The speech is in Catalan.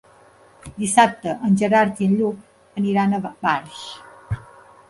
Dissabte en Gerard i en Lluc aniran a Barx.